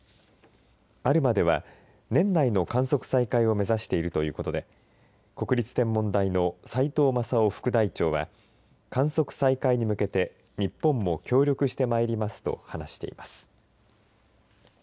アルマでは年内の観測再開を目指しているということで国立天文台の齋藤正雄副台長は観測再開に向けて日本も協力してまいりますと話しています。